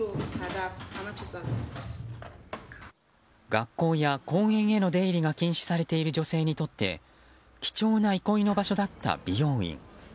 学校や公園への出入りが禁止されている女性にとって貴重な憩いの場所だった美容院。